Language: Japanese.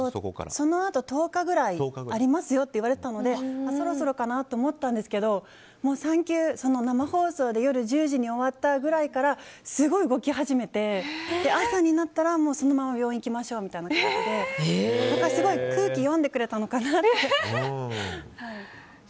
そのあと１０日くらいありますよと言われていたのでそろそろかなと思っていたんですが生放送で夜１０時に終わったぐらいからすごい動き始めて朝になったらもうそのまま病院に行きましょうという感じで空気を読んでくれたのかなって。